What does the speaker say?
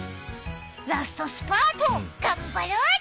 ラストスパート、頑張ろうぜ！